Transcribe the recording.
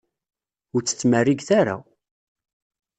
Ur tt-ttmerriget ara!